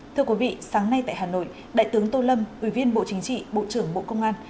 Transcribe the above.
thưa quý vị sáng nay tại hà nội đại tướng tô lâm ủy viên bộ chính trị bộ trưởng bộ công an